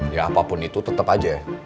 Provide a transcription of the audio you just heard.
ya apapun itu tetap aja